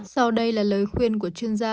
sau đây là lời khuyên của chuyên gia